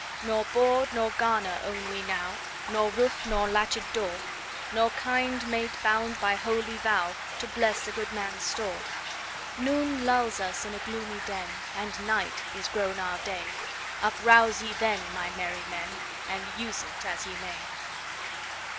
Nor board nor garner own we now, Nor roof nor latchèd door, Nor kind mate, bound by holy vow To bless a good man's store; 20 Noon lulls us in a gloomy den, And night is grown our day; Uprouse ye then, my merry men! And use it as ye may.